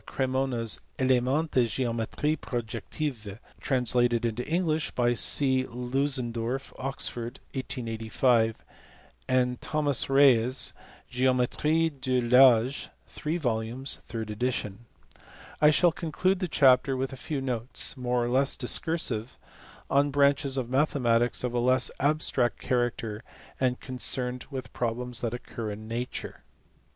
Cremona s Elements de geometrie protective, translated into English by C. Leudesdorf, Oxford, 1885 ; and Th. Reye s Geometrie der Lage 3 volumes, third edition. I shall conclude the chapter with a few notes more or less discursive on branches of mathematics of a less abstract character and concerned with problems that occur in nature.